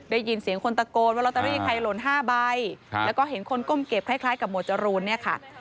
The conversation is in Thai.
ได้ยินเสียงคนตะโกนว่าลอตเตอรี่ใครหล่น๕ใบแล้วก็เห็นคนก้มเก็บคล้ายกับหมวดจรูนเนี่ยค่ะ